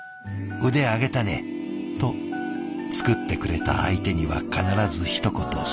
「腕上げたね！」と作ってくれた相手には必ずひと言添えて。